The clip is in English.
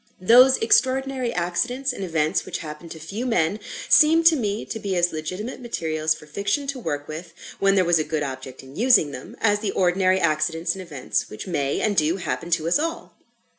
Those extraordinary accidents and events which happen to few men, seemed to me to be as legitimate materials for fiction to work with when there was a good object in using them as the ordinary accidents and events which may, and do, happen to us all.